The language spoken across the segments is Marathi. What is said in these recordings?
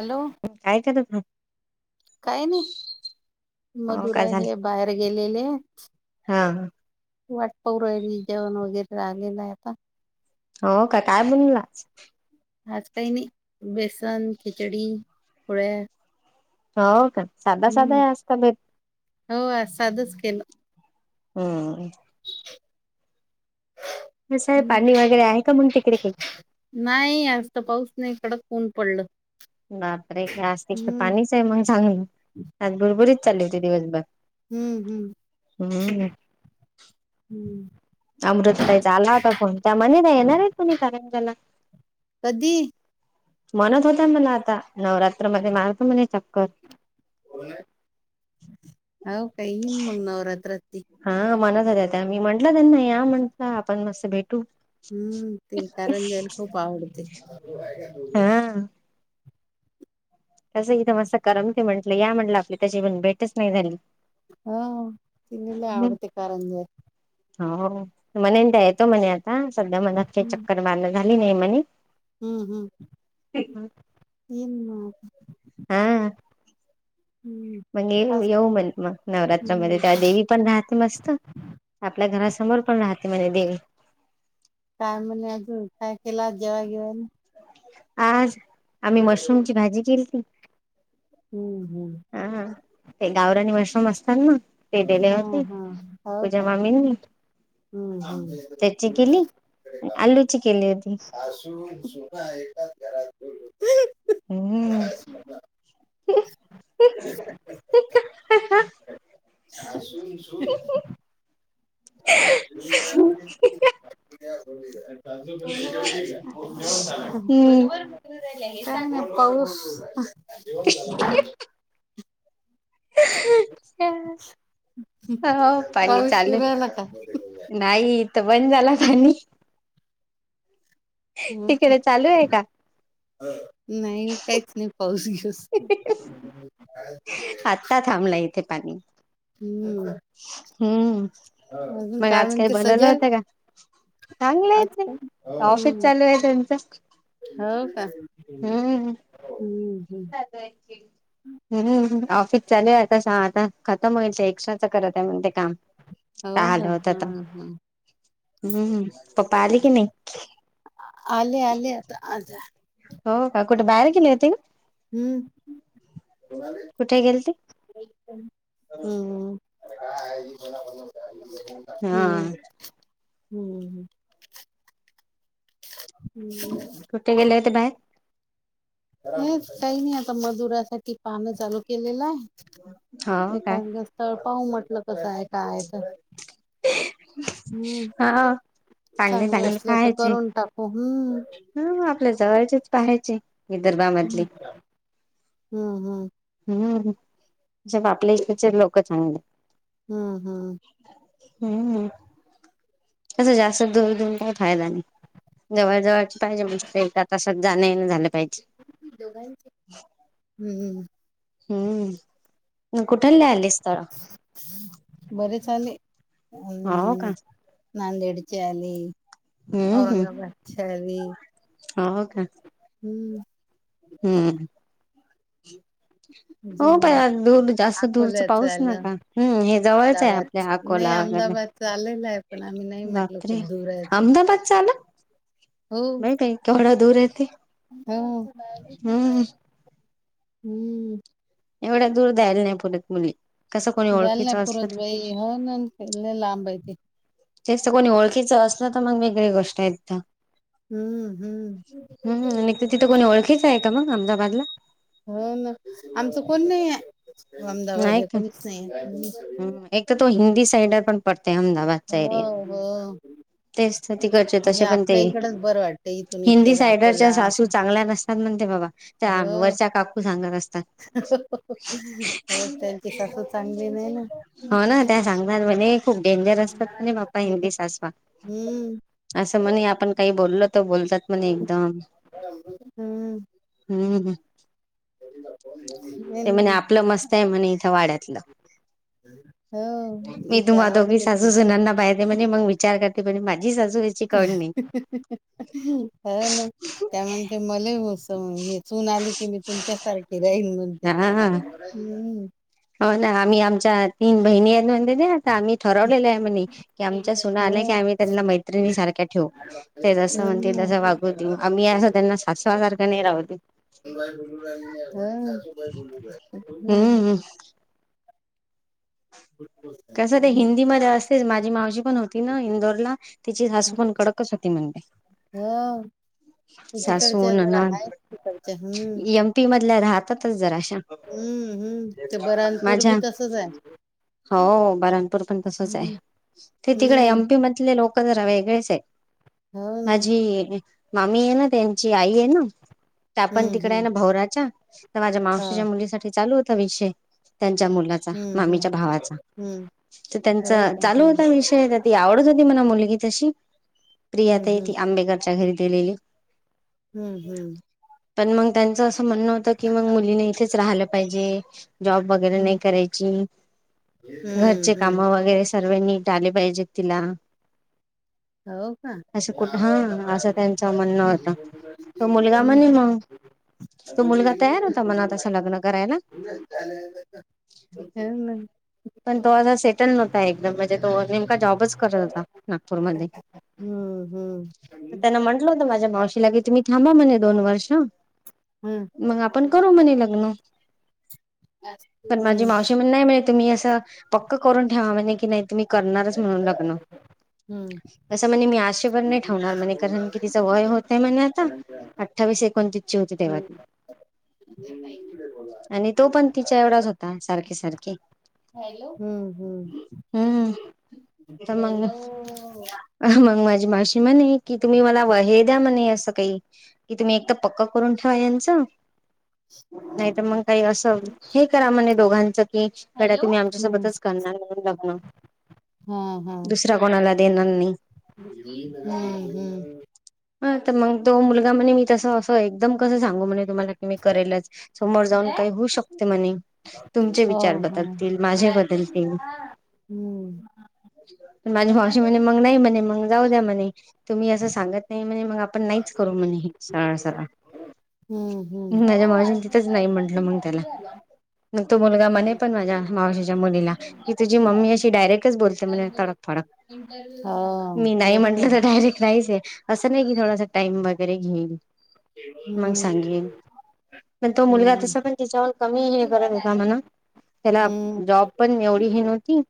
हॅलो! काय करता? काय नाही हो का मधुरा हे झालं बाहेर गेलेले. हा. वाट पौ राहिली जेवण वगैरे राहिलेलं आहे आता हो का काय बनलाच आज काही नाही बेसन खिचडी फोळ्या हो का साधा साधा या असता भेट हो आ साधच केलं हम्म कसं आहे हम्म पाणी वगैरे आहे का मग तिकडे का नाही आजत पाऊस नाही कडक ऊन पडलं. बापरे! हा स्तिक तर हम्म पाणीच आहे मग चांगलं. आज भरपरीच चालली होती दिवसभर. हम्म! हम्म! हम्म हम्म! अमृत प्यायचा आला होता फोन त्या मनी नाही येणार आहे कोणी कारण त्याला. कधी म्हणत होत मला आता नवरात्रमध्येध्ये मारतो म्हणे चक्कर हो येईन मग नवरात्रात तेन. हा मनात हो त्या त्या मी म्हंटला त्यांना या म्हटलं आपण मस्त भेटू. हम्म ते कारंजायला खूप आवडते. हा तस इथं मस्त करमत म्हटलं या म्हटलं आपली त्याची पण भेटच नाही झाली. हा तिन लय आवडते करंज्या. हो म्हणे त्या येतो म्हणे आता सध्या मलात हम्म चक्करवाार झाली नाही म्हणे. हम्म! हम्म! येईन मगं. हम! हम्म मग ये आज येऊ म हम्म नवरात्रामध्ये त्या देवी पण राहते मस्त आपल्या घरासमोर पण राहते म्हणजे देवी काय म्हणे अजून काय केला जेवाण घेवाण. आज आम्ही मशरूमची भाजी केली ती. होम् हो. ते गावरानी मशारूम असतात ना ते दिले हा होते पूजा मामीनी. हम्! आलूची केली होती. असून सुना एकाच घरात बोल होते. हम्म [inaudible] हा सुून सुून म म्ह झा हम्म काय मग पाऊस हो पाणी पाऊस चालू सुरूयला का नाही तर बण झाला कानी तिकडे चालू आहे का नाही काच नाही पाोशीस. काय झार आत्ता थांबला येथे पाणी हम्म हम्म अजून मग काय आज काही म्हणते बनवलं सजल होतं का चांगलं येत आजकाल ऑफिस हम्म चालू आहेेतंत हो का हम्म हम्म हम्म हम्म ऑफिस चालू आहे आता आता खतम होईल एक्स्ट्राच करत आहे म्हण ते काम हो काल का होतं हा त हा हम्म पप्पा आले की नाही आली आली आता अता. हो का कुठे बाहेर गेले होे का? हम्म! कुठे गेल? हा हम्म! [inaudible] हम्म! ह, हम्! तुठे गेले तर बाय. हे काही नाही आता मजुरासाठी पानं चालू केलेलं आहे हो काय एखाद तळपाह म्हटलं कसं आहे काय तर. हा हम्म चांगले चांगलं चांगले असलं तर करून टाकू हम्म. हा आपल्या जवळचेच पाहायचे विदर्भामधले. हम्म हम्म हम् ज आपल्या इचे लोक चांगले. हम्म हम्म हम्म तसं जास्त धरून धुरून काही फायदा नाही जवळजवळची पाहिजे म्हणजे एका तासात जाणे झालं पाहिजे हम्म हम्म कुठे ल आलेस तर बरे चाले हो का हम् नांदेडचली हम्म हम्म औरंगाबाद चलली हो का हम्म हम्म ह हो प अजून दूर जास्त दूरच अकोल्याच पाऊस आलं नका हम् हे जवळचं आहे अहमदाबादच अको नाही ला अहमदाबादच आलेलं आहे पण आम्ही नाही म्हटलं बापर खूप दूर आहे तर अहमदाबाद चाले नाही काही कवढा दूर आहेती हम हम्म हम्म एवढ्या दूर जायला नाही परत मुली कसं कोणी जाल ना ओळखीचं असलं पूरत बाई ह केल्ले लांबयती जास्त कोणी ओळखीचं असलं तर मग वेगळी गोष्ट आहेतदा हम्म हम्म हम्म न तर तिथं कोणी ओळखीच आहे का मग अहमदाबादला हो ना आमच कोण नाही नाही अहमदाबादला का कोणीच नाही हम्म एक तर त हिंदी साइड पण पडते अहमदाबाद च्या हो एरिया हो म्हणजे तेच तर त करचे तसे पण ते आपल्या इकडच बरं वाटतं इथून हिंदी इतक्या सायडरच्या अकोला सासू चांगल्या नसतात. म्हणते बाबा त्या वरच्या काकू सांगत असतात. [unintelligible] अ त्यांची सासू चांगली नाही हो ना. त्या सांगतात म्हणे खूप डेंजर असतात म्हणे बाप्पा हिंदी सासवा हं असं म्हणे आपण काही बोलल तर बोलतात म्हणे एकदा हम्म. हं ह [unintelligible] ते म्हणे आपलं मस्त आहे म्हणे इथं वाड्यात हो मी इथं तुम्हा दोघी आवडते सासू त्यांना. सुनाना बाहेर मग विचार करते पण माझी सासु ह ना त्या म्ह ते मले मोसम घेत सून आली कि मी तुमच्या सारखी राहीन म्हणते हा हम् हो ना आम्ही आमच्या तीन बहिणी आहेत म्हण आता आम्ही ठरवलेलं आहे म्ह की आमच्या सुना हो. आल्या की आम्ही त्यांना मैत्रिणी सारख्या ठेवू ते जसं म्हणतील हम्म. तसं वागू देऊ आम्ही असं त्यांना सातवा सारखं नाही राह देऊ हो. हम्म कसं ते हिंदीमध्ये असतेच माझी मावशी पण होती ना इंदौरला तिची सासू पण कडकच होती म्हणते हो ते सासू तिकडचे जरा आहे तिकडच्या हं सीटी मधल्या राहतातच जरा अशा हं हं ते बरानपूर पण तसच आहे. हो बराणपूर पण तसच आहे हम्म ते हम्म तिकडे ले लोक जरा वेगळेच आहे हो ना माझी मामी आहे ना त्यांची आई आहे ना ते आपण हम्म तिकड आहे हम्म ना भवराच्या तर माझ्या हा मावशीच्या मुलीसाठी चालू होता विषय त्यांच्या मुलाचा हम्म हम्म मम्मीच्या भावाचा हम्म हो त्यां का चालू हम्म होता हम्म विषय ती आवडत होती मला मुलगी तशी प्रियाताई हम्म ती आंबेकरच्या घरी दिलेली हं हं पण मग त्यांचं असं म्हणणं होतं की मग मुलीने इथेच राहालं पाहिजे जॉब वगैरे नाही करायची हम्म घरचे हम्म काम हम्म वगैरे सर्वांनी आले पाहिजेत तिला हो का असं मी कुठ आलो हा आता बाहेर असं त्यांचं म्हणणं होतं तो मुलगा म्हणे मग [unintelligible] [inaudible] तो दोघी मुलगा तयार होता म्हणा एकमेकांवर तसं लग्न करायला [unintelligible] [inaudible] ह ना पण तो आ सेटल नव्हता एकदम म्हणजे तो नेमका जॉबच करत होता नागपूरमध्ये हम्म तर हम्म त्यांना म्हण टलं होतं माझ मावशीला की तुम्हीथांबा म्हणे दोन वर्ष हम्म हम्म मग आपण करू म्हणे लग्न पण माझी मावशी म्हण नाही मिळते तुम्ही असं पक्क करून ठेवा म्हणजे की नाही तुम्ही करणारच म्हणून लग्न हम्म असं म्हणे मी आशेभर नाही ठेवणार म्हणे कारण बोलणार की तिचा वय नाही होतय म्हणे आता अठ्ठावीस एकोणतीसची होते तेव्हा ती नाही आणि तो पण तिच्या एवढाच होता सारखे सारखे हॅलो हं हम्म हं हॅलो अ मग माझी मावशी म्हणे की तुम्ही मला वहे द्या म्हणे असं काही की तुम्ही एकदा पक्क करून ठेवा यांचं... नाही त मग काही असं हे करा म्हणे दोघांचं की... कड हॅलो तूम्ही आमच्या हम्म सोबतच करणार म्हणून लग्न हा हा दुसऱ्या कोणाला देणार नाही. हम्म हम्म. ह तर मग तो मुलगा म्हणे मी तसं असं एकदम कसं सांगू म्हणे तुम्हाला की मी करेलच. समोर जाऊन काही होऊ शकते म्हणे तुमचे हो विचार हो बदलतील माझे लातूर बदलतील. हा पण माझी मावशी कोणाकडे म्हणे मग नाही म्हणे मग जाऊ द्या म्हणे तुम्ही असं सांगत नाय म्हणे मग आपण नाहीच करू म्हणे हे सरा सराळ माझ्या हो मावजने आज तिथंच होता नाही म्हंटलं आजपासून मग चालू त्याला झाला ग तो मुलगा म्हणे पण माझ्या मावश्याच्या मुलीला म्हणजे की तुझ उद्यापासून मम्मी चालू अशी डयरेक्टच बोलते म्हणज तडकफडक. इंटरव्ह्यू झाला मी नाही म्हंटलं बरोबर तर डायरेक्ट नाहीच ये असं नाही की थोडासा टाइम वगैरे घेईन [unintelligible] पण तो मुलगा हम्म तसा पण त्यािच्यावर कमी हे करत आहे का मणा त्याला हम्म जॉब पण एवढी ही नव्हती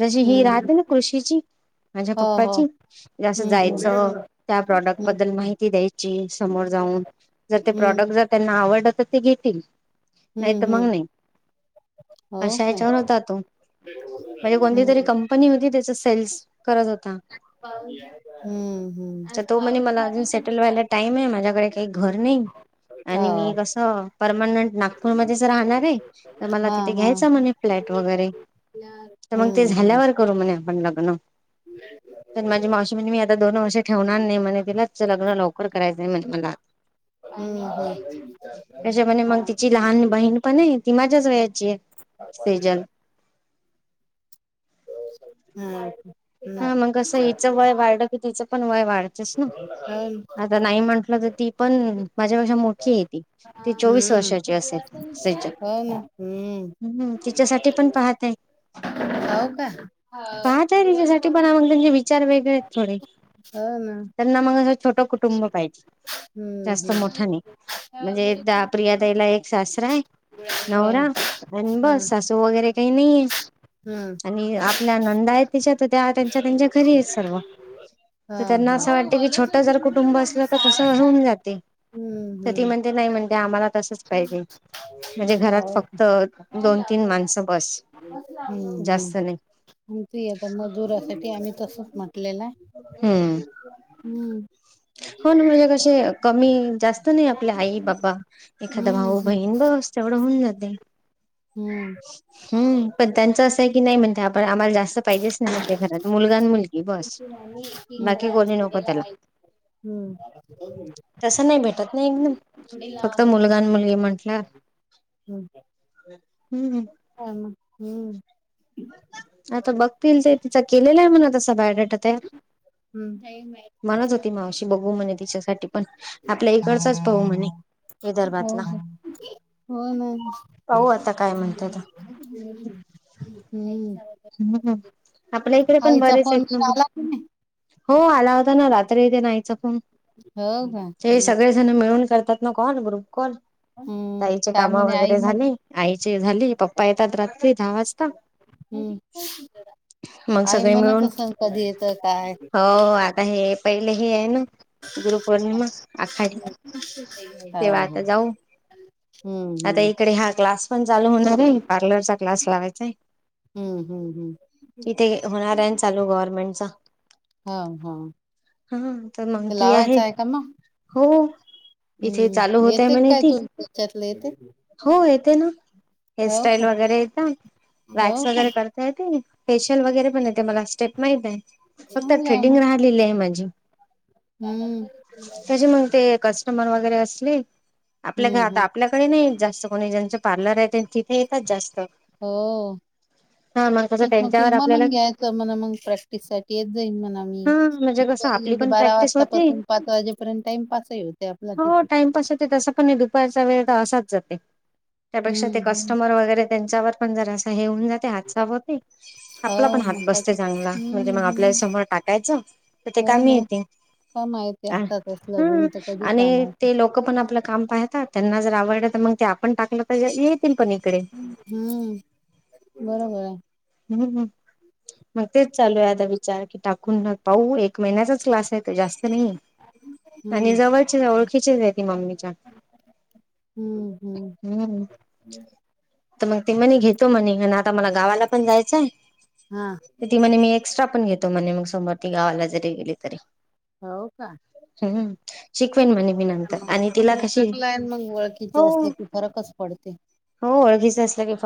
जशी ही हम्म राहते ना कृषीची माझ्या हो हो पप्पाची जसं हम्म जायचं हम्म त्या प्रॉडक्ट बद्दल माहिती द्यायची समोर जाऊन जर ते हम्म प्रॉडक्ट त्यांना आवड तर ते घेतील नाही हम्म तर मग हम्म नाही हो अशा याच्यान काय होता तो म्हणजे कोणती हम्म तरी कं कंपनी होती त्याचा सेल्स करत होता पाऊस हं हं त तो म्हणे मला अजून सेटल व्हायला टाइमे माझ्याकडे काय घर नय आणि मी हो कसं... परमनंट नागपूरमध्येच राहणार रे तर मला तिथे घ्यायचं म्हणे फ्लॅट वगैरे.... या तर मग ते झाल्यावर करू म्हणे आपण लग्न पण माझी मावशी म्हण मी आता दोन वर्ष. आणि म्हणे तिलाच लग्न लवकर करायचंय म्हण मला हो हम्म. हो ना त्याच्या म्हणे मग तिची लहान बहीण पणे ती माझ्याच वयाची ये सेजल [inaudible] हा मग कसं हिचं वय वाढलं की तिचं पण वय वाढत ह आता नाही म्हंटलं त ती पण माझ्यापेक्षा मोठीय ती ती चोवीस वर्षाची असेल सजक हम्म तिच्यासाठी पण पाहतय? पाव का? हा पाहतय जेवण तच्यासाठी पण करून मग त्यांचे विचार वेगळे थोडे हो ना त्यांना मग अस छोट कुटुंब पाहिजे हम्म जास्त हम्म मोठा नाही. म्हणजे द प्रिया तईला एक सासरा आहे हो हा. नवरा आणि बस स तो वगैरे काही नाही हम्म आणि आपल्या आनंद आहेत त्याच्यात त्या त्यांच्या त्यांच्या घरी आहेत सगळ्या हा तर त्यांना हा. असं हो वाटते की वरच छोटं होती जर मी कुटुंब मग असलं तर सहा तसं वाजता रऊन जाते. हम्म तर हम्म. ती म्हणते नाही म्हणते आम्हाला तसच पाहिजे. म्हणजे हो घरात फक्त दोन तीन हम्म माणसं बस जास्त नाही. आ आता मजुरासाठी आम्ही तसच म्हटलेलं. आहे हम्म हम्म. हो ना म्हणजे कसे कमी जास्त नाही आपल्या आई, बाबा एखादा हम्म भाऊ बहीण बस तेवढं होऊन जाते हम्म हम्म पण त्यांचं असं आहे की नाही म्हणत आपण आम्हाला जास्त पाहिजेच नाय माच्या घरात मुलगा न मुलगी. बस. बाकी कोणी नको त्याला [inaudible] तसं नाय भेटत नय म घोडे लावा फक्त म्हणे. मुलगा आणि मुलगी म्हंटलं. हम्म हम्म ह न हम्म आता बघतील ते तिचां केलेला आहे म्हणा तसा बायोडेटा म्हणत होती मावशी बघू म्हणे तिच्यासाठी पण आपल्या इकडचाच पाहू म्हणे हो विदर्भातला हो ना पाहू आता काय म्हणते तर हम्म हम आपल्या इकडे पण आईचा बरेच आहेत फोन ना मग आला हो आला होता ना रात्री इथे नाहीच कोण हो का मिळून करतात ना कॉल ग्रुप कॉल हम्म ताईचे काय काम म्हणे आई वगैरे मग झाले आईची झाली पप्पा येतात रात्री दहा वाजता हम्म मग आई सगळे मिळून म्हणतसल कधी येतं काय हो आता हे पहिले हे आहे ना गुरुपौर्णिमा आखा ह तेव्हा ह आता जाऊ हम्म आता हम्म इकडे हा क्लास पण चालू होणारे पार्लरसाठी क्लास लावायचाय. हम्म हम्म हम्म. तिथे होणार आहे चालू गव्हर्मेंटचा. हा हा हा तर मग ते ती आहे लावायचं का मग? हो? इथे चालू हम्म होतय येते म्हणे काय ती तू त्याच्यातलं येते? हो येते ना हो का हेअरस्टाईल वगैरे येत हो वॅक्स का वगैरे करत करते मी फेशिल वगैरे पण येते मला स्टेप माहित आहे फक्त चांगलं आहे थ्रेडिंग मग राह म हम्म. कस्टमर वगैरे असली आपल्या हम्म घरात हम्म आपल्याच नाही जास्त कोणी ज्यांच पार्लर आहे तिथे येतात जास्त हो हा कसं मग त्यांच्यावर आपल्याला म्हणून घ्यायचं म्हणा मग प्रॅक्टिस साठी येत जाईन म्हणा हा म्हणजे कसं आपली मी पण बारा प्रॅक्टिस होते वाजतापासून पाच वाजेपर्यंत टाइम पासही होते आपला तिथे सगळा वेळ असाच जातो त्यापेक्षा हम्म हम्म. कस्टमर वगैरे त्यांच्यावर पण जरासं हे होऊन जातं ते हात साप होते हो आपला पण मग हात काय बसते तर चांगला म्हणजे हम्म मग आपल्या हम्म समोर टाकायचं तर ते कामी येते काय माहीत ते हम्म हातात असलं गुण तर कधी काम आहे आणि ते लोक पण आपलं काम पाहतात त्यांना जर आवडलं तर मग ते आपण टाकलं तर येतील पण इकडे हम्म बरोबर आहे हम्म हम मग तेच चालू आहे आता वि चार की टाकून पाह एक महिन्याचाच क्लास आहे जास्त नाही हम्म. आणि जवळचे ओळखीचीच आहे ती मम्मीच्या हम्म ह हम्म तर मग ते म्हनी घेतो म्हणे आणि आता मला गावाला पण जायच हा ती म्हणे मी एक्स्ट्रा पण घेतो म्हणे मग समर ती गावाला जरी गेली तरी हो का हम् शिकवेन म्हणे मी नंतर आणि तिला कशी चांगलं आहे मग हो ओळखीचं असलं की फरकच पडते. हो ळखीच असलं की फ